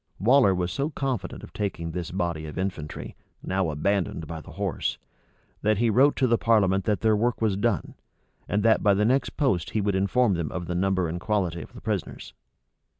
Waller was so confident of taking this body of infantry, now abandoned by the horse, that he wrote to the parliament that their work was done, and that by the next post he would inform them of the number and quality of the prisoners.